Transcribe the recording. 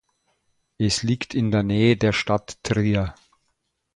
Es liegt in der Nähe der Stadt Trier.